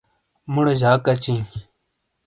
مُوڑے جاک اچیئں۔